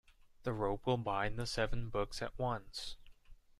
The rope will bind the seven books at once.